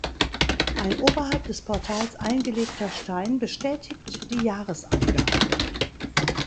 Ein oberhalb des Portals eingelegter Stein bestätigt die Jahresangabe.